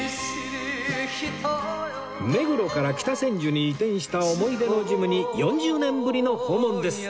目黒から北千住に移転した思い出のジムに４０年ぶりの訪問です